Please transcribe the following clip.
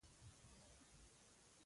دا څومره روپی دي؟